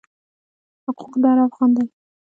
حقوق د هر افغان دی.